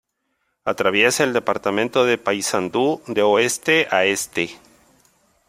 Atraviesa el departamento de Paysandú de oeste a este.